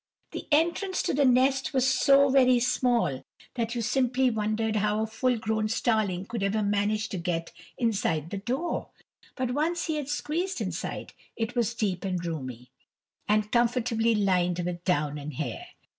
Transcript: The entrance to the nest was so very small that you simply wondered how a full grown starling could ever manage to get inside the door; but once he had squeezed inside, it was deep and roomy, and comfortably lined with down and hair.